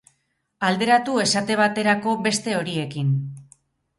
Alderatu esate baterako beste horiekin.